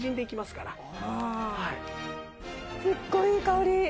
すっごいいい香り。